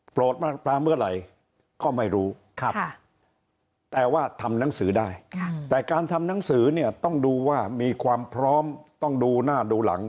มาตราเมื่อไหร่ก็ไม่รู้แต่ว่าทำหนังสือได้แต่การทำหนังสือเนี่ยต้องดูว่ามีความพร้อมต้องดูหน้าดูหลัง